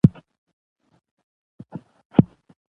د نجونو تعلیم د کانونو په استخراج کې مرسته کوي.